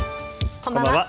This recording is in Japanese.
こんばんは。